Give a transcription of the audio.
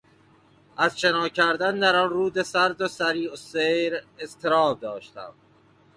از شنا کردن در آن رود سرد و سریعالسیر اضطراب داشتم.